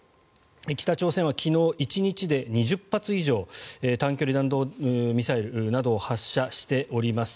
北朝鮮は昨日、１日で２０発以上単距離弾道ミサイルなどを発射しております。